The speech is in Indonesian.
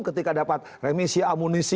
ketika dapat remisi amunis